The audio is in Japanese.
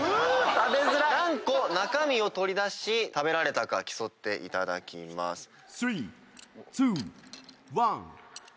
何個中身を取り出し食べられたかを競っていただきます。